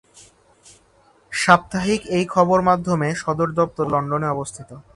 সাপ্তাহিক এই খবর মাধ্যমে সদর দপ্তর লন্ডনে অবস্থিত।